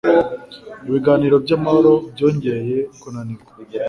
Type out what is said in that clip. Ibiganiro by'amahoro byongeye kunanirwa